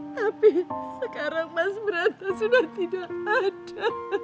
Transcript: tapi sekarang mas brata sudah tidak ada